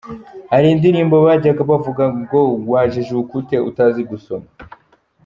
Hari indirimbo bajyaga bavugamo ngo “wajijuka ute, utazi gusoma?”.